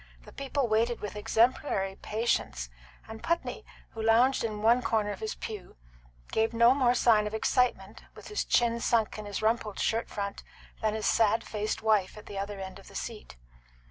The people waited with exemplary patience, and Putney, who lounged in one corner of his pew, gave no more sign of excitement, with his chin sunk in his rumpled shirt front, than his sad faced wife at the other end of the seat.